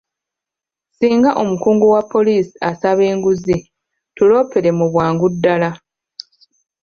Singa omukungu wa poliisi asaba enguzi, tuloopere mu bwangu ddaala.